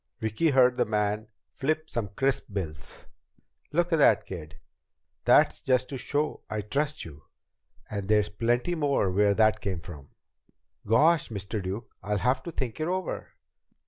Vicki heard the man flip some crisp bills. "Look at that, kid. That's just to show I trust you. And there's plenty more where that came from!" "Gosh, Mr. Duke, I'll have to think it over."